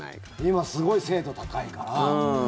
今すごい精度高いから。